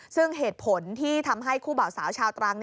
ซึ่งเหตุผลที่ทำให้คู่บ่าวสาวชาวตรัง